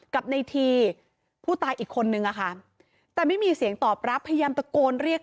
กับในทีผู้ตายอีกคนนึงอะค่ะแต่ไม่มีเสียงตอบรับพยายามตะโกนเรียก